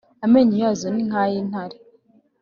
amenyo yazo ni nk’ay’intare,